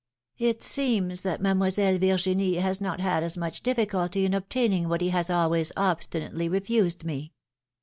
It seems that Mademoiselle Virginie has not had as much difficulty in obtaining what he has always obstinately refused me!"